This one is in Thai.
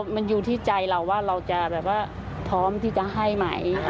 มันอยู่ที่ใจเราว่าเราจะแบบว่าพร้อมที่จะให้ไหม